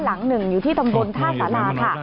หลังหนึ่งอยู่ที่ตำรวจท่าสระหลัง